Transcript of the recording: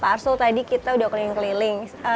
pak arsul tadi kita udah keliling keliling